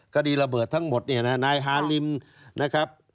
คดีระเบิดทั้งหมดเนี่ยนะนายฮาริมนะครับ